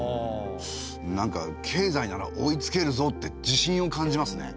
なんか経済なら追いつけるぞって自信を感じますね。